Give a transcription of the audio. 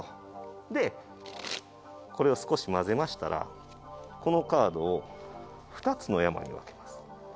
でこれを少し交ぜましたらこのカードを２つの山に分けます。